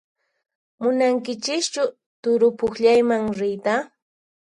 Munankichischu turupukllayman riyta?